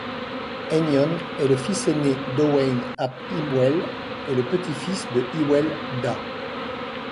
Einion est le fils aîné d'Owain ap Hywel et le petit-fils de Hywel Dda.